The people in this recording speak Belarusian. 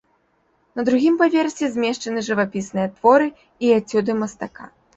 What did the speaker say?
На другім паверсе змешчаны жывапісныя творы і эцюды мастака.